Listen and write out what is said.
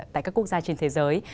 tại các quốc gia trên thế giới